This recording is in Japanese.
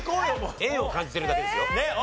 縁を感じてるだけですよ。